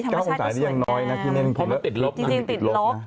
๙องศาที่ยังน้อยนะพี่เนี่ยเพราะมันติดลบนะจริงติดลบ